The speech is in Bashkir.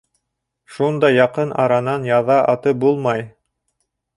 Шундай яҡын аранан яҙа атып булмай.